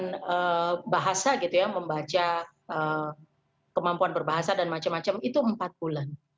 dengan bahasa gitu ya membaca kemampuan berbahasa dan macam macam itu empat bulan